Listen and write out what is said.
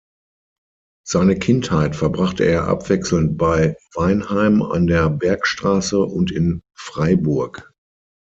Seine Kindheit verbrachte er abwechselnd bei Weinheim an der Bergstrasse und in Freiburg.